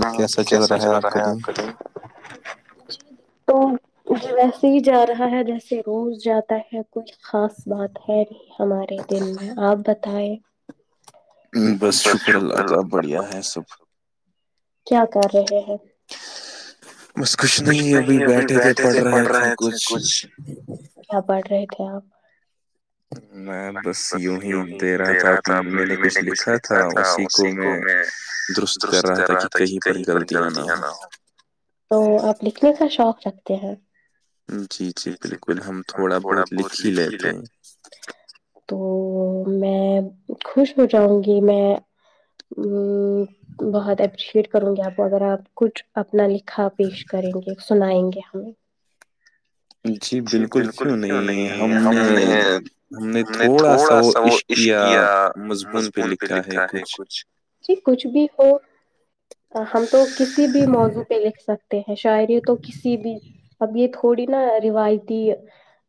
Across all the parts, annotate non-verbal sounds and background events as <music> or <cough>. ہاں کیسا چل رہا ہے آپ کا دن تو ویسے ہی جا رہا ہے جیسے روز جاتا ہے کچھ خاص بات ہے نہیں ہمارے دن میں آپ بتیں بس شکر اللہ کا بڑھیا ہے سب کیا کر رہے ہیں کچھ نہیں ابھی بیٹھے تھے پڑھ رہے تھے کچھ کیا پڑھ رہے تھے آپ میں بس یوں ہی دے رہا تھا میں نے کچھ لکھا تھا اسی کو میں درست کر رہا تھا کہ کہیں پر غلطیاں نہ ہ تو آپ لکھنے کا شوق رکھتے ہیں جی جی بالکل ہم تھوڑا بہت لکھ ہی لیتے ہیں تو میں خوش ہو جاؤں گی میں ہ بہت اپریشیٹ کروں گی آپ کو اگر آپ کچھ اپنا ل کھا پیش کریں گے سنائیں گے ہمیں جی بالکل کیوں نہیں ہم نے ہم نے تھوڑا سا وہ عشقیا مضمون پہ لکھا ہے کچھ ج کچھ بھی ہو ہم تو کسی بھی موضوع پہ لکھ سکتے ہیں شاعری تو کسی بھی اب یہ تھوڑی نا روایتی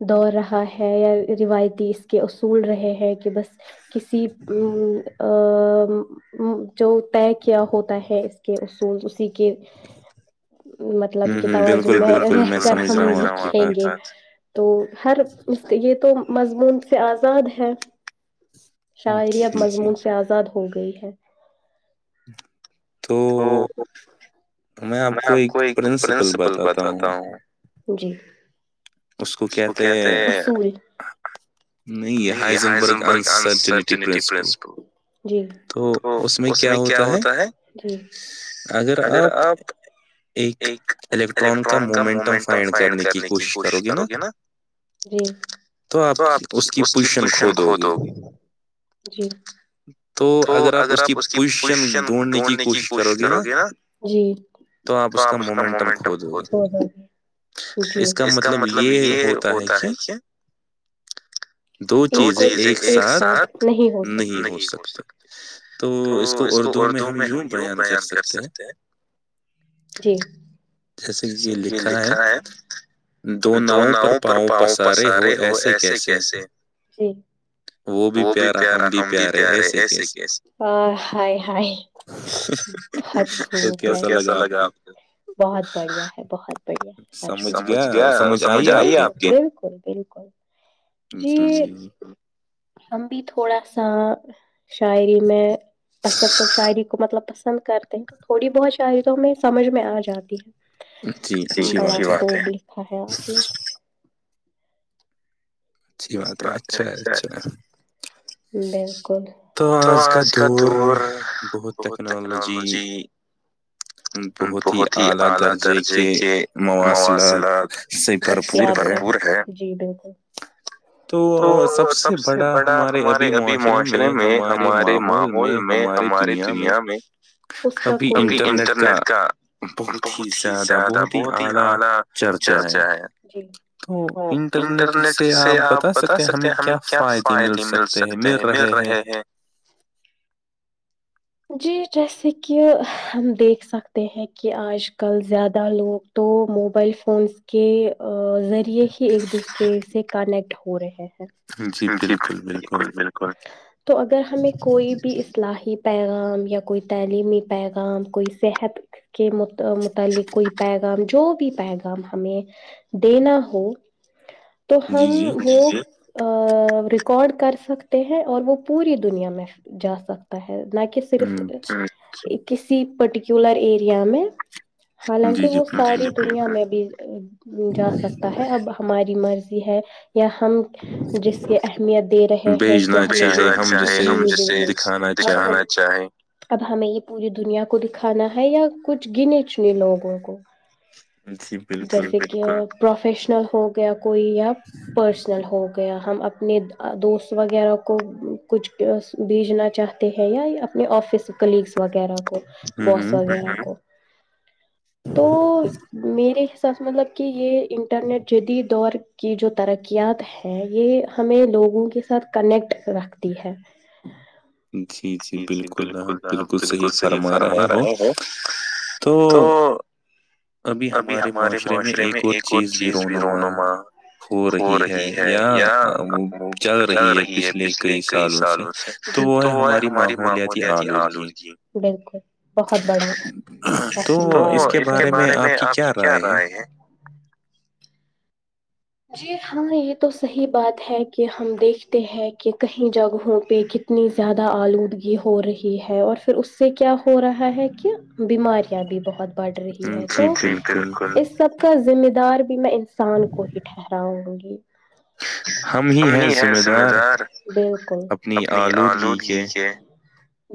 دور رہا ہے یا روایتی اس کے اصول رہے ہیں کہ بس کسی جو طے کیا ہوتا ہے اس کے اصول کے مطلب کتا میں رہ کر ہم تو ہر یہ تو مضمون سے آزاد ہے شاعری اب مضمون سے آزاد ہو گئی ہیں تو میں آپ کو ایک پرنسپل بتاتا ہوں جی اس کو کیاتے نہیں ہائزمبرگ ان سرٹرنیٹی پرنسپل جی تو اس میں کیا ہوتا ہے ج اگر آپ ایک الیکٹران کا مومنٹم فائنڈ کرنے کی کوشش کرو گے نا ج تو آپ کی اس کی پوزیشن کھوودو گی جی تو اگر آپ اس کی پوزیشن ڈھونڈنے کی کوشش کرو گے نا ج تو آپ اس کا مومنٹم کھود اس کا مطلب یہ ہوتا ہے کیا دو چیزیں ایک ساتھ نہیں ہو نہیں ہو سکتا تو اس کو اردو میں ہم یوں بیان کر سکتے ہیں جی ج یہ لکھا ہے دو ناؤوں پر پاؤں پسارے ہو ایسے کیسے وہ بھی پیارا ہم بھی پیارے ایسے کیسے بت خش تو کیسا لگا بہت بڑھیا ہے بہت سمجھ گیا سمجھ آئی آپ بالکل بالکل جی ہم بھی تھوڑا سا شاعری میں اص شاعری کو مطلب پسند کرتے ہیں تو تھوڑی بہت شاہزوں میں سمج میں آ جاتی ہے کو لا ہے آپ اچھی باتیں اچھا ہے اچھا بالکل تو آج کا دور بہت ٹیکنالوجی بہت ہی اعلی درجے کے مواصلات سپ جی بالکل تو سب سے بڑا ہمارے ابھی معاشرے میں ہمارے ماحول میں ہماراری دنیا میں ابھی انٹرنیٹ کا بہت ہی زیادہ بہت ہی اعلی چرچہ ہے تو انٹرنیٹ سے آپ آپ بتا سکتے ہیں ہمیں کیا فائدے مل سکتے ہیں مل رہے ہیں <inaudible> جی جیسے کہ ہم دیکھ سکتے ہیں کہ آج کل زیادہ لوگ تو موبائل فونس کے ذریعے ہی ایک دوسرے سے کنیکٹ ہو رہے ہیں جی بالکل بالکل تو اگر ہمیں کوئی بھی اصلاحی پیغام یا کوئی تعلیمی پیغام کوئی صحت کے مت متعلق کوئی پیغام جو بھی پیغام ہمیں دینا ہو تو ہم وہ ریکارڈ کر سکتے ہیں اور وہ پوری دنیا میں جا سکتے ہوتا ہے نہ کہ صرف کسی پرٹیکولر ایریا میں حالانکہ وہ ساری دنیا میں بھی جا سکتا ہے اب ہماری مرضی ہے یا ہم جس کی اہمیت دے رہے ہیں کہ دکھانا چاہیں اب ہمیں یہ پوری دنیا کو دکھانا ہے یا کچھ گنے چنے لوگوں کو جیسے کہ پروفیشنل ہو گیا کوئی یا پرسنل ہو گیا ہم اپنے دوست وغیرہ کو کچھ بھیجنا چاہتے ہیں یا اپنے آفس کلیگس وغیرہ کو بہت سارے ہے مطلب تو میرے حساب سے مطلب کہ یہ انٹرنیٹ جدید دور کی جو ترقیات ہیں یہ ہمیں لوگوں کے ساتھ کنیکٹ رکھتی ہے <inaudible> جی جی بالکل ہ بالکل صحیح فرما رہے ہیں تو ابھی ہمارے معاشرے میں ایک اور چیز بھی رونما ہو رہی ہے یا وہ چل رہی ہے پچھلے کئی سالوں سے تو وہ ہے ہماری ماحولتی آلودگی بالکل بہت بڑیا تو اس کے بارے میں آپ کی کیا رائے ہے جی ہاں یہ تو صحی بات ہے کہ ہم دیکھتے ہیں کہ کہیں جگہوں پہ ک اتنی زیادہ آلودگی ہو رہی ہے اور پھر اس سے کیا ہو رہا ہے کہ بیماریاں بھی بہت بڑھ رہی ہے تو اس سب کا ذمہ دار بھی میں انسان کو ہی ہوں گی <unintelligible> ہم ہی ہیں ذمہ دار بکل اپنی آلودگی کے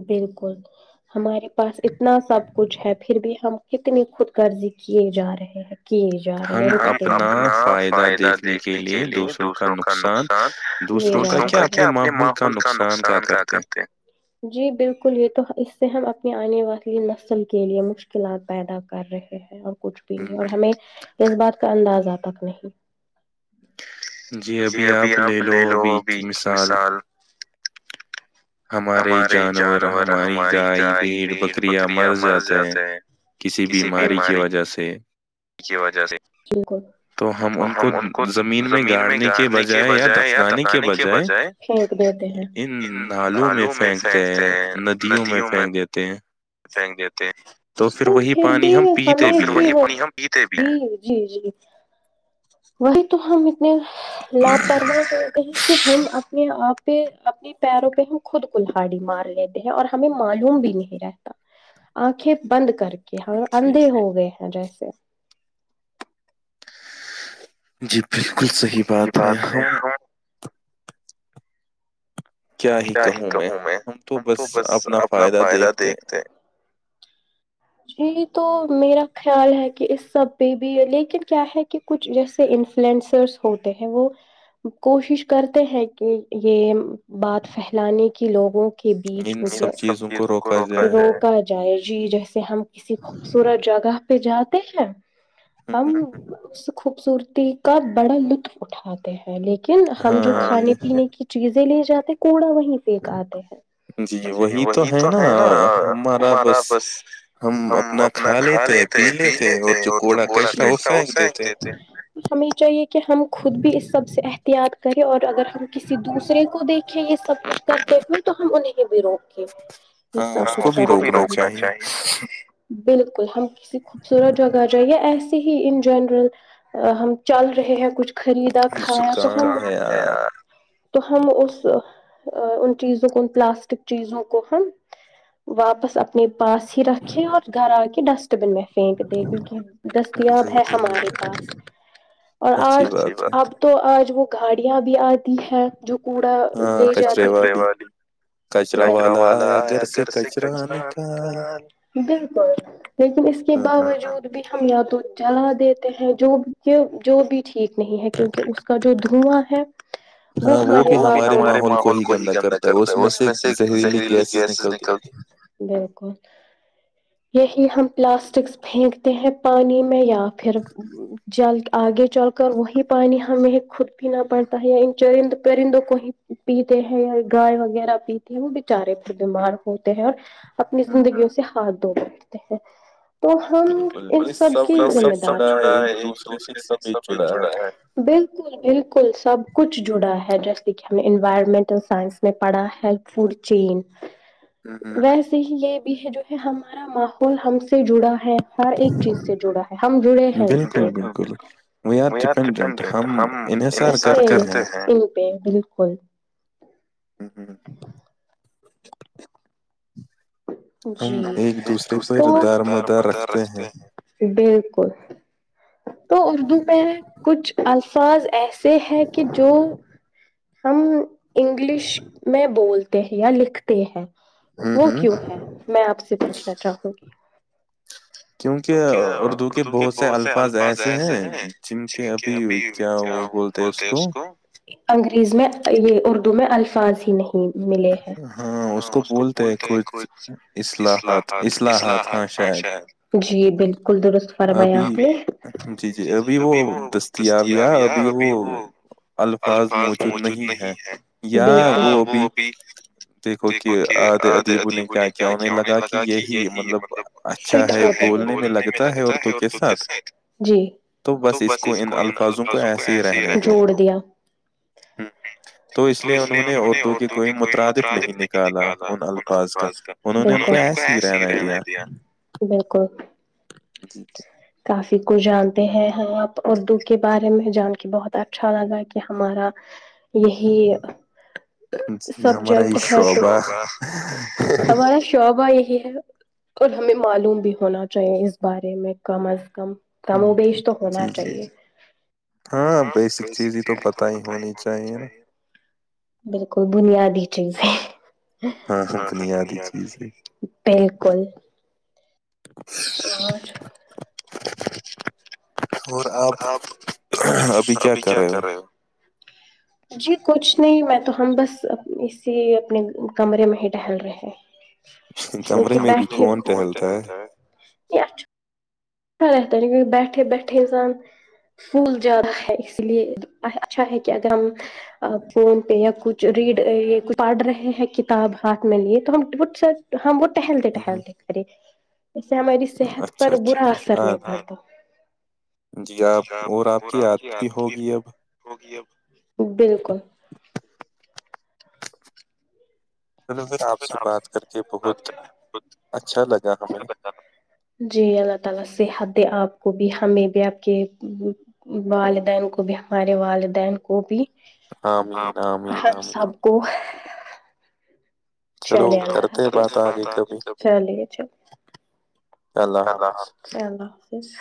بالکل ہمارے پاس اتنا سب کچھ ہے پھر بھی ہم کتنی خود کررضی کیے جا رہے ہیں کیے جا رہے ہیں رکتے نہیں فائدہ دیکھنے کے لیے دوسروں کا نقصان دوسروں کا کیا اپنے ماں ان کا نقصان کیا کرتے ہیں جی بالکل یہ تو اس سے ہم اپنی آنے والی نسل کے لیے مشکلات پیدا کر رہے ہیں اور کچھ بھی نہیں اور ہمیں اس بات کا اندازہ تک نہیں جی ابھی آپ لے لو ابھی مثال ہمارے جانور ہماری گائے بھیڑ بکریاں مر جاتے ہیں کسی بیماری کی وجہ سے اس کی وجہ سے ٹھیک تو ہم ان کو زمین میں گاڑنے کے بجائے یا دفنانے کے بجائے پھینک دیتے ہیں پلوں میں پھینکتے ہیں ندیوں میں پھینک دیتے ہیں پھینک دیتے ہیں اس پھر بھی ہمیں جی جی وہی تو ہم اتنے لاپرواہ ہو گئے کہ ہم اپنے آپے اپنی پیروں پہ ہم خود کلہاڑی مار لیتے ہیں اور ہمیں معلوم بھی نہیں رہ آنکھیں بند کر کے ہم اندھے ہو گئے ہیں جیسے جی بالکل صحیح بات ہے ہم کیا ہی کہوں میں ہم تو بس اپنا فائدہ دیکھتے <inaudible> <unintelligible> جی تو میرا خیال ہے کہ اس سب پہ بھی لیکن کیا ہے کہ کچھ جیسے انفلئینسرس ہوتے ہیں وہ کوشش کرتے ہیں کہ یہ بات پھیلانے کی لوگوں کے بیچ ہو گیا سب چیز کو روکا جائے جی جیسے ہم کسی خوبصورت جگہ پہ جاتے ہیں ہم اس خوبصورتی کا بڑا لطف اٹھاتے لیکن ہم جو کھانے پینے کی چیزیں لے جاتے کوڑا وہیں پھیک آتے ہیں جی وہی تو ہے نا ہمارا بس ہم اپنا کھا لیتے پی لیتے اور جو کوڑا کٹتا ہے وہ پھینک دیتے ہمیں چاہیے کہ ہم خود بھی اس سب سے احتیاط کریں اور اگر ہم کسی دوسرے کو دیکھیں یہ سب کچھ کر دیکھوں تو ہم انہیں بھی رو اس کو بھی روکنا چاہیے بالکل ہم کسی خوبصورت جگہ جائ یا ایسیے ہی ان جنرل ہم چل رہے ہیں کچھ خریدا کھانا تو ہم تو ہم اس ان چیزوں کو ان پلاسٹک چیزوں کو ہم واپس اپنے پاس ہی رکھے اور گھر آ کے ڈسٹ تومیں پھینک دے کیونکہ دستیاب ہے ہمارے پاس اور آج اب تو آج وہ گاڑیاں بھی آتی ہیں جو کوڑا لے جاتے کچرے والی کچرا والا آیا گھر سے کچرا نکا ل لیکن اس کے باوجود بھی ہم یا تو جلا دیتے ہیں جو بھی جو بھی ٹھیک نہیں ہے کیونکہ اس کا جو دھواں ہے وہ ہمارے ہمارے ماحول کو ہی گندا کرتا ہے اس میں سے زہریلی گیسز نکلتا بالکل یہی ہم پلاسٹکس پھینکتے ہیں پانی میں یا پھر جل آگے چل کر وہی پانی ہمیں خود پینا پڑتا ہےیا چرند پرندوں کو ہی پیتے ہیں یا گائے وغیرہ پیتے ہیں وہ بچارے پر بیمار ہوتے ہیں اور اپنی زندگیوں سے ہاتھ دھو بیٹھتے ہیں تو ہم ایک سب سب جڑا ہے ایک دوسرے سے سب بھی جڑا ہے بالکل بالکل سب کچھ جڑا ہے جیسے کہ ہم نے انوائرمنٹل سائنس میں پڑھا ہے فور چین ویس ہی یہ بھی ہے جو ہے ہمارا ماحول ہم سے جڑا ہے ہر ایک چیز سے جڑا ہے ہم جڑے ہیں اس سے نہیں توہم انسرکرتے ہیں بالکل ہ ہ <unintelligible> جی ایک دوس م دار مدار رکھتے ہیں <unintelligible> بالکل تو اردو میں کچھ الفاظ ایسے ہے کہ جو ہم انگلش میں بولتے یا لکھتے ہیں وہ کیوں ہے میں آپ سے پوچھنا چاہوں گی <unintelligible> <inaudible> <unintelligible> کیونکہ اردو کے بہت سے الفاظ ایسے ہیں جن کے ابھی کیا ہو بولتے ہیں اس کو انگریز میں یہ اردو میں الفاظ ہی نہیں ملے <unintelligible> ہاں اس کو بولتے ہیں کھ اصحات ہاں شید جی بالکل درست فرمایا آپ نے جی- جی ابھی وہ دستیاب یا ابھی وہ- الفاظ موجود نہیں ہے یا وہ بھی- کےد <unintelligible> نے کہا کیوں نہیں لگا کہ یہ ہی مطلب ہے بولنے میں لگتا ہے اور تجھ سے- جی تو بس اس کو ایسے رکھ چھوڑ دیا- تو اس لیے انہوں نے عورتوں کی کوئی مترادف نہیں نکالا- آج کا انہوں نے ہم کو ایسے ہی رہنا دیا بالکل- کافی کچ جانتے ہیں آپ اردو کے بارے میں جان کے بہت اچھا لگا کہ ہمارا- یہی سبجیکٹ ہے ہمارا شعبہ یہی ہے- اور ہمیں معلوم بھی ہونا چاہیے اس بارے میں کم از کم- کم و بیش تو ہونا چاہیے- ہاں بیسک چیز ہی تو پت ہی ہونی چاہیے نا- بالکل، بنیادی چیز ہے س بالکل <unintelligible> اور <unintelligible> اور آپ آپ <unintelligible> ابھی کیا کر رہے ہو? جی کچھ نہیں میں تو ہم بس اسی اپنے کمرے میں ہی ٹہل رہے ہیں بیٹھے کون لتا ہے طرح طریقے بیٹھے بیٹھے انسان پھول زیادہ ہے اس لیے اچھا ہے کہ اگر ہم- فون پہ یا کچھ ریڈ کچھ پڑھ رہے ہیں کتاب ہاتھ میں لیے تو ہمٹ سر- ہم وہ ٹہلتے ہیں اس نے ہماری صحت پر برا- جی آپ اور آپ کی یاد بھی- <unintelligible> بالکل <unintelligible> اپ سے بات کر کے بہت اچھا لگا ہمیں- جی اللہ تعالی صحت دے اپ کو بھی ہمیں بھی اپ کے والدین کو بھی ہمارے والدین کو بھی ہم سب- کو <unintelligible> چلیے اللہ حافظ چلیے اللہ حافظ- اک اللہ حافظ-